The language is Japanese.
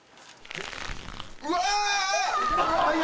うわ！